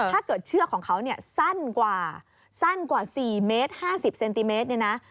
ถ้าเกิดเชือกของเขาเนี่ยสั้นกว่า๔เมตร๕๐เซนติเมตรเนี่ยนะ